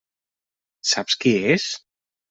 Saps qui és?